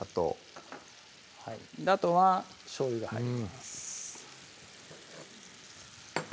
あとはしょうゆが入ります